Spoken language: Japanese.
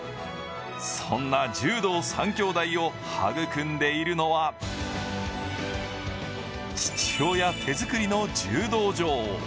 そんな柔道３兄弟を育んでいるのは父親手作りの柔道場。